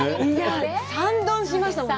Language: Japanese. ３丼しましたもん。